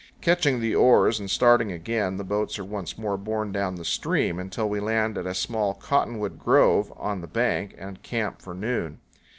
Catching the oars and starting again, the boats are once more borne down the stream, until we land at a small cottonwood grove on the bank and camp for noon.